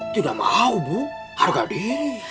tidak mau bu harga diri